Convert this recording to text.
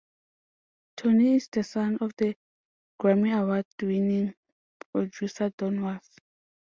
Tony is the son of the Grammy Award winning producer Don Was.